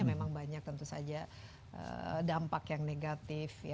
memang banyak tentu saja dampak yang negatif